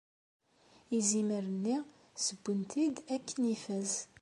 Izimer-nni ssewwen-t-id akken ifaz.